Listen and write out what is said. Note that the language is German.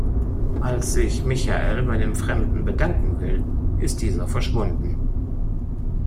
Als sich Michael bei dem Fremden bedanken will, ist dieser verschwunden.